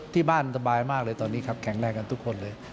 ที่บ้านสบายมากเลยตอนนี้ครับแข็งแรงกันทุกคนเลย